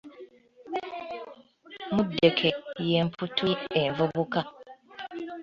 Muddeke y’emputtu envubuka.